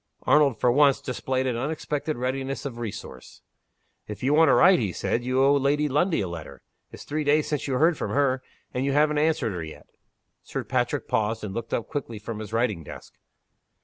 Arnold, for once, displayed an unexpected readiness of resource. "If you want to write," he said, "you owe Lady Lundie a letter. It's three days since you heard from her and you haven't answered her yet." Sir Patrick paused, and looked up quickly from his writing desk.